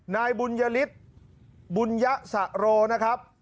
นายบุญยฤทธิ์บุญยสะโรนะครับ